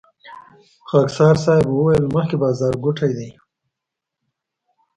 خاکسار صیب وويل مخکې بازارګوټی دی.